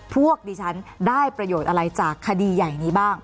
พวกดิฉันได้ประโยชน์อะไรจากคดีใหญ่นี้บ้าง